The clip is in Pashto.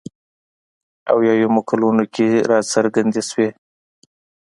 اویایمو کلونو کې راڅرګندې شوې.